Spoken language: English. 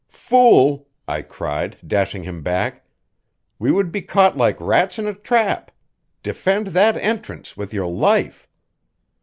"Fool!" I cried, dashing him back. "We would be caught like rats in a trap. Defend that entrance with your life!"